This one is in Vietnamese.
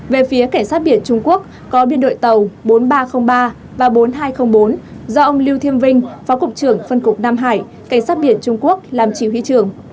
về phía cảnh sát biển trung quốc có biên đội tàu bốn nghìn ba trăm linh ba và bốn nghìn hai trăm linh bốn do ông lưu thiêm vinh phó cục trưởng phân cục nam hải cảnh sát biển trung quốc làm chỉ huy trưởng